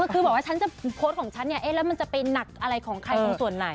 คือบอกว่าโพสต์ของฉันแล้วมันจะไปหนักอะไรของใครตรงส่วนไหน